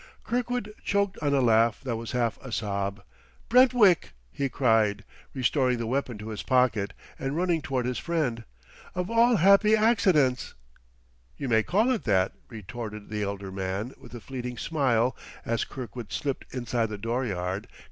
Kirkwood choked on a laugh that was half a sob. "Brentwick!" he cried, restoring the weapon to his pocket and running toward his friend. "Of all happy accidents!" "You may call it that," retorted the elder man with a fleeting smile as Kirkwood slipped inside the dooryard.